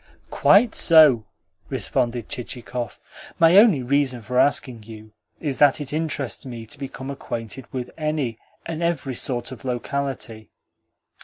"Quite so," responded Chichikov. "My only reason for asking you is that it interests me to become acquainted with any and every sort of locality."